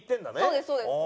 そうですそうです。